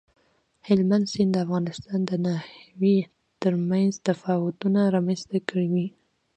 هلمند سیند د افغانستان د ناحیو ترمنځ تفاوتونه رامنځ ته کوي.